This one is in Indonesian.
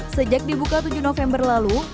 sejak dibuka tujuh november lalu